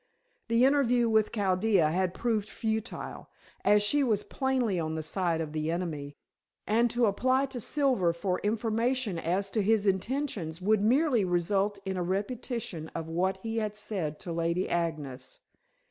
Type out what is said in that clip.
The interview with Chaldea had proved futile, as she was plainly on the side of the enemy, and to apply to Silver for information as to his intentions would merely result in a repetition of what he had said to Lady Agnes.